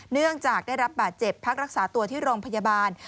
เนื่องจากได้รับบาดเจ็บพักรักษาตัวที่โรงพยาบาล